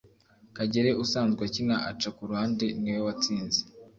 kagere usanzwe akina aca ku ruhande niwe watsinze